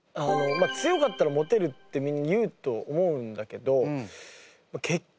強かったらモテるってみんな言うと思うんだけど結局は顔。